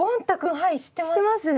知ってます？